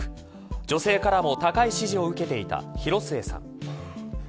女性からも高い支持を受けていた広末さん。